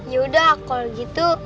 yaudah kalau gitu